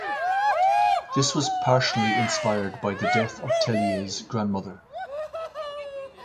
This was partially inspired by the death of Tellier's grandmother.